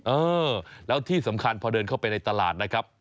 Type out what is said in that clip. เออแล้วที่สำคัญพอเดินเข้าไปในตลาดนะครับ